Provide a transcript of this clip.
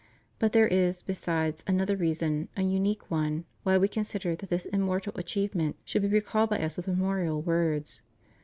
But there is, besides, another reason, a unique one, why We consider that this immortal achievement should be recalled by Us with memorial words.